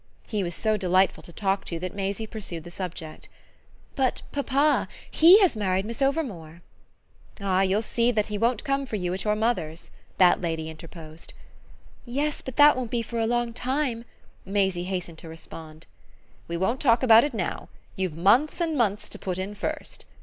He was so delightful to talk to that Maisie pursued the subject. "But papa HE has married Miss Overmore." "Ah you'll see that he won't come for you at your mother's," that lady interposed. "Yes, but that won't be for a long time," Maisie hastened to respond. "We won't talk about it now you've months and months to put in first."